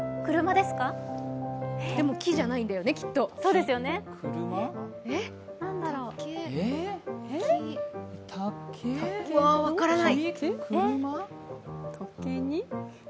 でも木じゃないんだよね、きっと。分からない。